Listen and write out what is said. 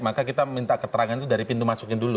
maka kita minta keterangan itu dari pintu masuknya dulu